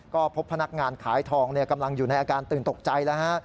ก็พบพนักงานขายทองกำลังอยู่ในอาการตื่นตกใจแล้วฮะ